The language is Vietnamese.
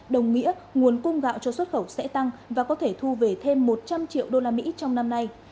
đồng nghĩa nguồn cung gạo cho xuất khẩu sẽ tăng và có thể thu về thêm một trăm linh triệu usd trong năm nay